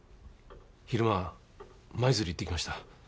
昼間舞鶴行ってきました。